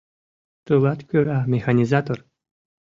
Тылат кӧра, механизатор